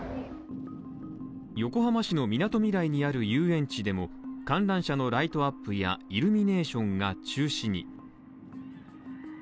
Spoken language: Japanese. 横浜市のみなとみらいにある遊園地でも観覧車のライトアップやイルミネーションが中止に。